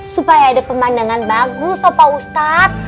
supaya ada pemandangan bagus apa ustadz